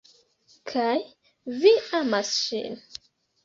Kaj vi amas ŝin?